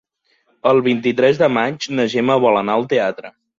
El vint-i-tres de maig na Gemma vol anar al teatre.